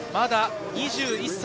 まだ２１歳。